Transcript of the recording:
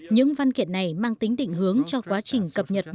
những văn kiện này mang tính định hướng cho quá trình phát triển kinh tế xã hội